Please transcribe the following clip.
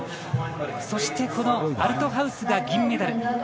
そして、アルトハウスが銀メダル。